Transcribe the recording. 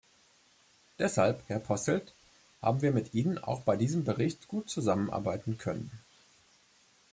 Deshalb, Herr Posselt, haben wir mit Ihnen auch bei diesem Bericht gut zusammenarbeiten können.